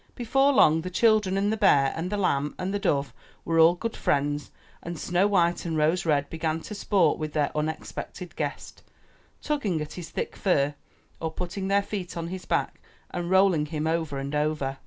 Before long the children and the bear and the lamb and the dove were all good friends and Snow white and Rose red began to sport with their un expected guest, tugging at his thick fur or putting their feet on his back and rolling him over and over.